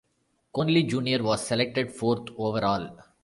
Conley Junior was selected fourth overall.